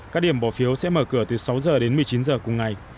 các điểm bỏ phiếu sẽ mở cửa từ sáu giờ đến một mươi chín giờ cùng ngày